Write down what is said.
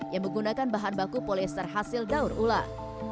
yang menggunakan bahan baku polyester hasil daur ulang